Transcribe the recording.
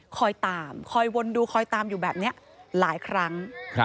คอยตามคอยวนดูคอยตามอยู่แบบนี้หลายครั้ง